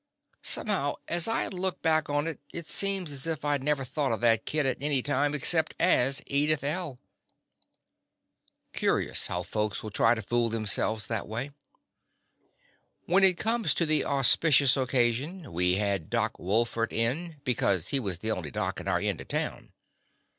Somehow, as I look back on it, it seems as if I 'd never thought of that kid, at any time, except as Edith L. Curious The Confessions of a Daddy how folks will try to fool theirselves that way. When it come to the auspicious oc casion we had Doc Wolfert in, be cause he was the only doc in our end of town.